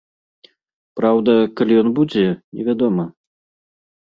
Праўда, калі ён будзе, невядома.